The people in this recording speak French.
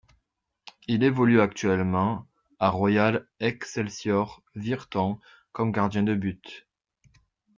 Il évolue actuellement à Royal Excelsior Virton comme gardien de but.